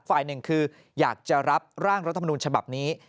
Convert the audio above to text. ฝ่ายหนึ่งคืออยากจะรับร่างรัฐมนูญฉบับนี้